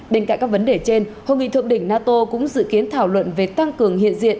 bên cạnh các vấn đề trên hội nghị thượng đỉnh nato cũng dự kiến thảo luận về tăng cường hiện diện